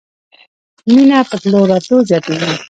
مېنه په تلو راتلو زياتېږي.